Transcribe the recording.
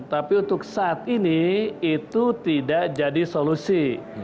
tapi untuk saat ini itu tidak jadi solusi